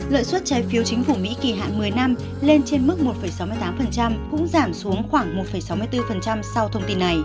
lợi suất trái phiếu chính phủ mỹ kỳ hạn một mươi năm lên trên mức một sáu mươi tám cũng giảm xuống khoảng một sáu mươi bốn sau thông tin này